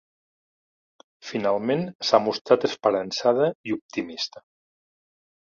Finalment, s’ha mostrat esperançada i optimista.